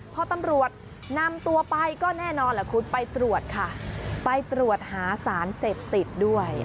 พอตำรวจนำตัวไปก็แน่นอนแหละคุณไปตรวจค่ะไปตรวจหาสารเสพติดด้วย